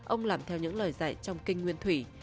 ông làm theo những lời dạy trong kinh nguyên thủy